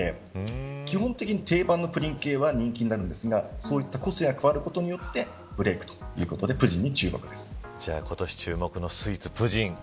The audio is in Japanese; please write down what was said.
基本的に定番のプリン系は人気になるんですがそういった個性が加わることによってブレークということで今年注目のスイーツ、プヂン。